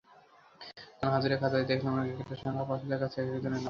তখন হাজিরা খাতায় দেখলাম একেকটি সংখ্যার পাশে লেখা আছে একেকজনের নাম।